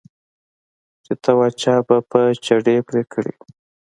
چې ته وا چا به په چړې پرې کړي وي.